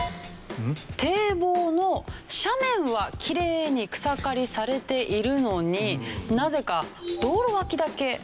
堤防の斜面はきれいに草刈りされているのになぜか道路脇だけ残ってますよね。